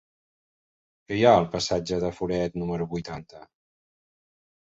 Què hi ha al passatge de Foret número vuitanta?